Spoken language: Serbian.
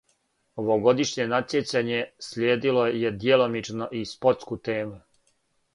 Овогодишње натјецање слиједило је дјелимично и спортску тему.